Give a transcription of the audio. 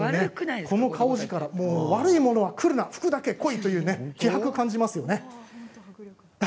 この顔力、悪いものは来るな、福だけ来いという気迫を感じますね。